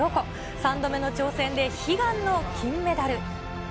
３度目の挑戦で悲願の金メダル。